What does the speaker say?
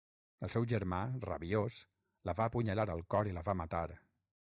El seu germà, rabiós, la va apunyalar al cor i la va matar.